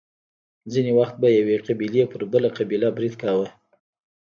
ځینې وخت به یوې قبیلې په بله قبیله برید کاوه.